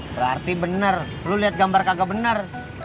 berarti benar lo lihat gambar gak benar